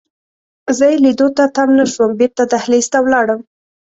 زه یې لیدو ته تم نه شوم، بیرته دهلېز ته ولاړم.